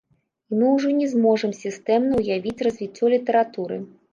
І мы ўжо не зможам сістэмна ўявіць развіццё літаратуры.